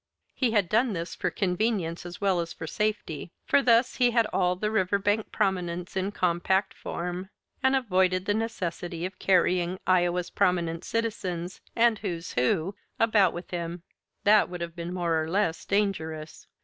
He had done this for convenience as well as for safety, for thus he had all the Riverbank prominents in compact form, and avoided the necessity of carrying "Iowa's Prominent Citizens" and "Who's Who" about with him. That would have been more or less dangerous.